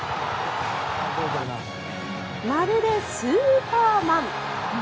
まるでスーパーマン。